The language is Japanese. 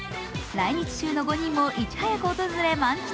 来日中の５人もいち早く訪れ満喫。